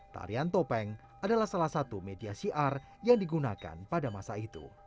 tarian topeng adalah salah satu media siar yang digunakan pada masa itu